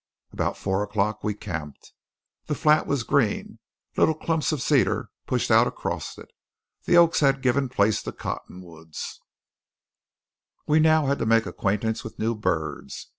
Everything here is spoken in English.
About four o'clock we camped. The flat was green; little clumps of cedar pushed out across it; the oaks had given place to cottonwoods; we had now to make acquaintance with new birds.